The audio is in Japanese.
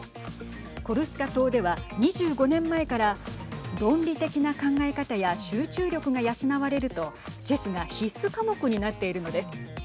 コルシカ島では、２５年前から論理的な考え方や集中力が養われるとチェスが必須科目になっているのです。